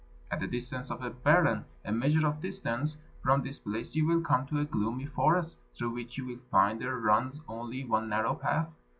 At the distance of a berren (a measure of distance) from this place you will come to a gloomy forest, through which you will find there runs only one narrow path.